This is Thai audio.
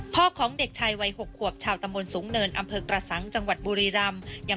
ของเด็กชายวัย๖ขวบชาวตำบลสูงเนินอำเภอกระสังจังหวัดบุรีรำ